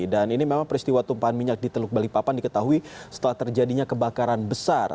dan ini memang peristiwa tumpahan minyak di teluk balikpapan diketahui setelah terjadinya kebakaran besar